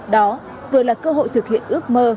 đó vừa là cơ hội thực hiện ước mơ